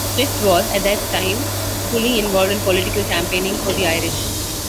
Swift was, at this time, fully involved in political campaigning for the Irish.